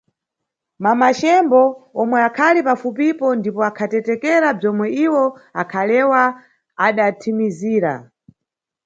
Mamacembo, omwe akhali pafufipo ndipo akhatetekera bzomwe iwo akhalewa, adathimizira.